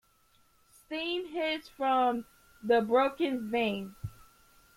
Steam hissed from the broken valve.